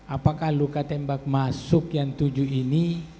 apakah luka tembak masuk yang tujuh ini